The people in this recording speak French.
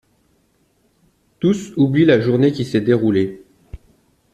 Tous oublient la journée qui s'est déroulée.